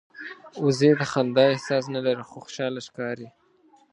وزې د خندا احساس نه لري خو خوشاله ښکاري